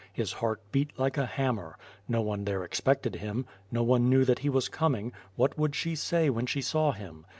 His heart beat like a hammer. No one there expected him; no one knew that he was coming; what would she say when she saw him?